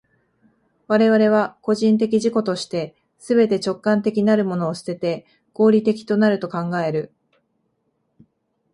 我々は個人的自己として、すべて直観的なるものを棄てて、合理的となると考える。